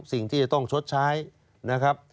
สิ่งที่จะต้องชดใช้นะครับ